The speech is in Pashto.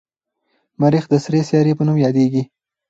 مریخ د سرې سیارې په نوم یادیږي.